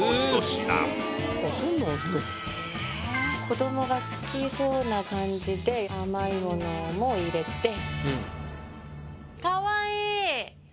子供が好きそうな感じで甘いものも入れて。